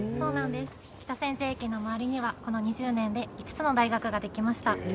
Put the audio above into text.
北千住駅の周りにはこの２０年で５つの大学ができました。